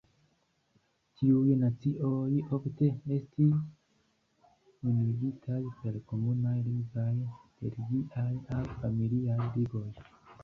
Tiuj nacioj ofte estis unuigitaj per komunaj lingvaj, religiaj aŭ familiaj ligoj.